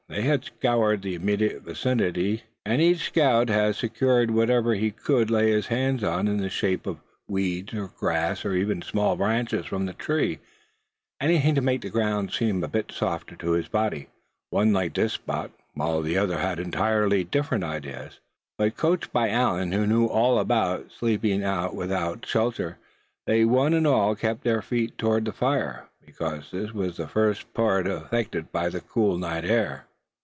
They had scoured the immediate vicinity, and each scout had secured whatever he could lay his hands on in the shape of weeds, or grass, or even small branches from the tree anything to make the ground seem a bit softer to his body. One liked this spot, while another had entirely different ideas; but coached by Allan, who knew all about sleeping out without shelter, they one and all kept their feet toward the fire, because that was the part first affected by the cooling night air.